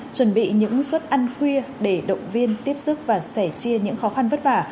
chuẩn bị những suốt ăn khuya để động viên tiếp xúc và sẻ chia những khó khăn vất vả